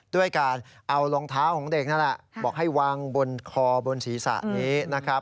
ด้วยการเอารองเท้าของเด็กนั่นแหละบอกให้วางบนคอบนศีรษะนี้นะครับ